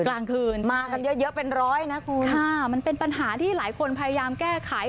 กลางคืนมากันเยอะเยอะเป็นร้อยนะคุณค่ะมันเป็นปัญหาที่หลายคนพยายามแก้ไข